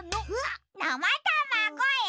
なまたまごよ。